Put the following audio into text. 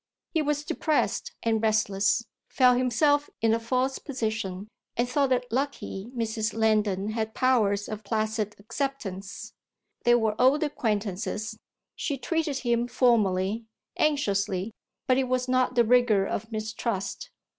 He was depressed and restless, felt himself in a false position, and thought it lucky Mrs. Lendon had powers of placid acceptance. They were old acquaintances: she treated him formally, anxiously, but it was not the rigour of mistrust.